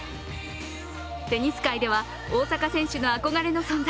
テニス界では大坂選手の憧れの存在